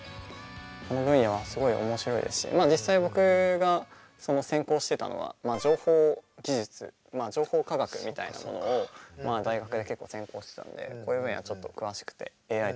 この分野はすごい面白いですし実際僕が専攻してたのは情報技術情報科学みたいなものを大学で結構専攻してたのでこういう分野ちょっと詳しくてＡＩとかも詳しいんですけど。